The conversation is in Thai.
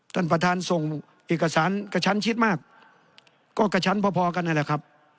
ท่านประธานส่งเอกสารกับฉันชิดมากก็กับฉันพอพอกันแหละครับ